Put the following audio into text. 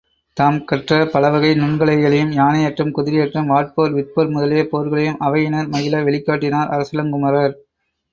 தாம் கற்ற பலவகை நுண்கலைகளையும் யானையேற்றம், குதிரையேற்றம், வாட்போர், விற்போர் முதலிய போர்களையும் அவையினர் மகிழ வெளிக்காட்டினர் அரசிளங்குமரர்.